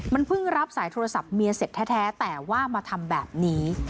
มันเพิ่งรับสายโทรศัพท์เมียเสร็จแท้แต่ว่ามาทำแบบนี้